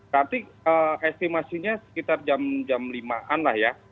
nanti estimasinya sekitar jam lima an lah ya